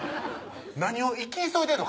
なにを生き急いでんの？